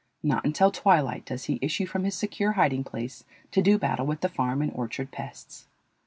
Not until twilight does he issue from his secure hiding place to do battle with the farm and orchard pests.